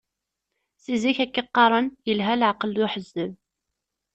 Si zik akka i qqaren, yelha leεqel d uḥezzeb.